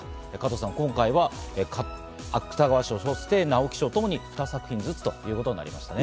今回は芥川賞、そして直木賞ともに２作品ずつということになりましたね。